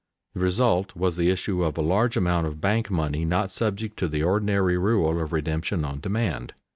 The result was the issue of a large amount of bank money not subject to the ordinary rule of redemption on demand.